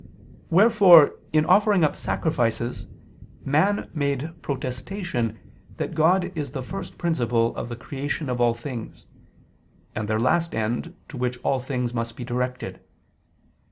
Wherefore in offering up sacrifices man made protestation that God is the first principle of the creation of all things, and their last end, to which all things must be directed.